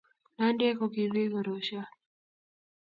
Nandiek ko ki biik koroshiot